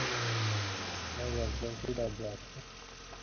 কোন ইমারজেন্সি দরজা আছে?